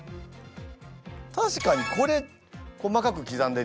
確かにこれ細かく刻んでるよねＡは。